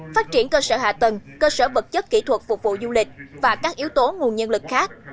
phát triển cơ sở hạ tầng cơ sở vật chất kỹ thuật phục vụ du lịch và các yếu tố nguồn nhân lực khác